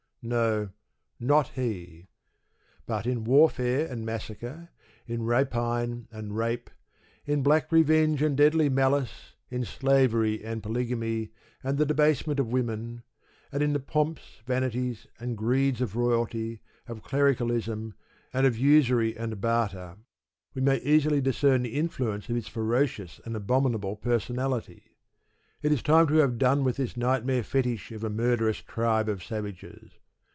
No; not he. But in warfare and massacre, in rapine and in rape, in black revenge and deadly malice, in slavery, and polygamy, and the debasement of women; and in the pomps, vanities, and greeds of royalty, of clericalism, and of usury and barter we may easily discern the influence of his ferocious and abominable personality. It is time to have done with this nightmare fetish of a murderous tribe of savages.